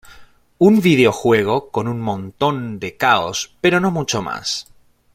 Un videojuego con un montón de caos, pero no mucho más".